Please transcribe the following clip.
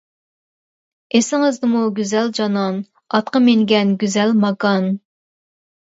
ئېسىڭدىمۇ گۈزەل جانان، ئاتقا مىنگەن گۈزەل ماكان.